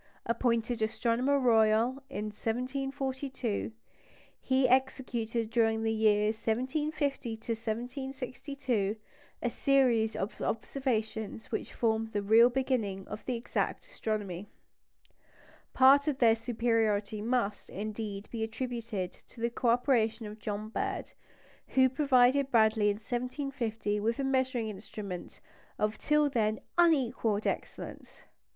Appointed Astronomer Royal in 1742, he executed during the years 1750 62 a series of observations which formed the real beginning of exact astronomy. Part of their superiority must, indeed, be attributed to the co operation of John Bird, who provided Bradley in 1750 with a measuring instrument of till then unequalled excellence.